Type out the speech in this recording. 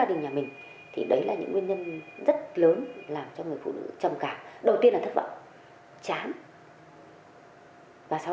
thì đấy là những nguyên nhân rất lớn làm cho người phụ nữ trầm cảm